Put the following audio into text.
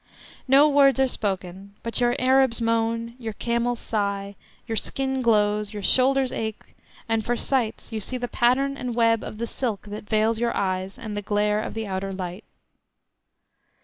No words are spoken, but your Arabs moan, your camels sigh, your skin glows, your shoulders ache, and for sights you see the pattern and the web of the silk that veils your eyes and the glare of the outer light.